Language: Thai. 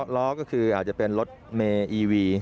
ล้อก็คืออาจจะเป็นรถเมย์อีวี